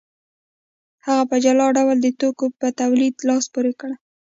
هغه په جلا ډول د توکو په تولید لاس پورې کوي